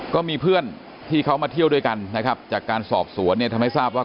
ก็มีเพื่อนที่เขามาเที่ยวด้วยกันนะครับจากการสอบสวนเนี่ยทำให้ทราบว่า